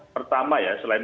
pertama ya selain